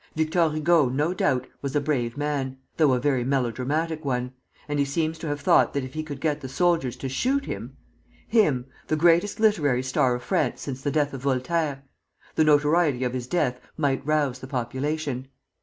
Victor Hugo, no doubt, was a brave man, though a very melodramatic one, and he seems to have thought that if he could get the soldiers to shoot him, him, the greatest literary star of France since the death of Voltaire, the notoriety of his death might rouse the population.